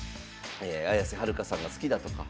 綾瀬はるかさんが好きだとか。